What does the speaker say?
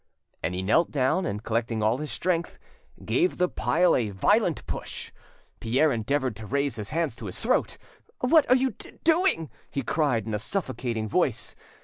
And he knelt down, and collecting all his strength, gave the pile a violent push. Pierre endeavoured to raise his hands to his throat. "What are you doing?" he cried in a suffocating voice.